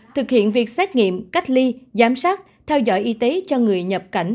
thực hiện việc xét nghiệm cách ly giám sát theo dõi y tế cho người nhập cảnh